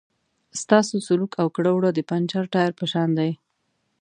ستاسو سلوک او کړه وړه د پنچر ټایر په شان دي.